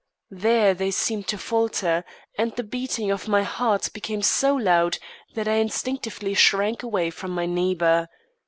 There they seemed to falter, and the beating of my heart became so loud that I instinctively shrank away from my neighbour.